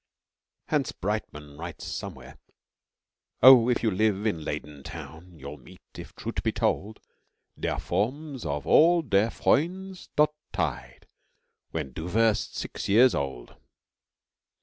Hans Breitmann writes somewhere: Oh, if you live in Leyden town You'll meet, if troot be told, Der forms of all der freunds dot tied When du werst six years old.